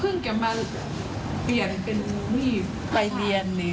เพิ่งจะมาเปลี่ยนเป็นนี่